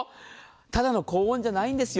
ただの高温じゃないんですよ。